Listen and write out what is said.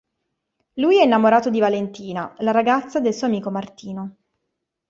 Lui è innamorato di Valentina, la ragazza del suo amico Martino.